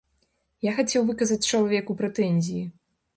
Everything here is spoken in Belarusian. Я хацеў выказаць чалавеку прэтэнзіі.